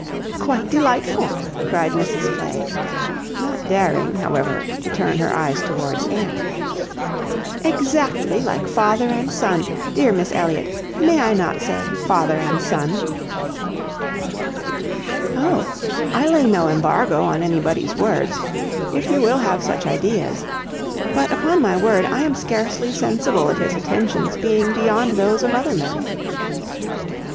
"Quite delightful!" cried Mrs Clay, not daring, however, to turn her eyes towards Anne. "Exactly like father and son! Dear Miss Elliot, may I not say father and son?" "Oh! I lay no embargo on any body's words. If you will have such ideas! But, upon my word, I am scarcely sensible of his attentions being beyond those of other men."